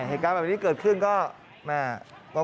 เหตุการณ์แบบนี้เกิดขึ้นก็แม่